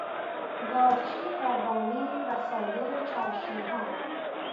دارچین و وانیل و سایر چاشنیها